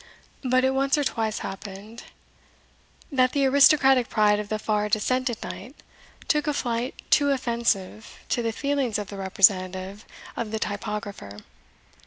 But it once or twice happened that the aristocratic pride of the far descended knight took a flight too offensive to the feelings of the representative of the typographer.